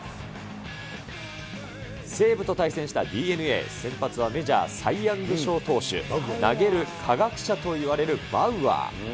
西武と対戦したＤｅＮＡ、先発はメジャーサイ・ヤング賞投手、投げる科学者といわれるバウアー。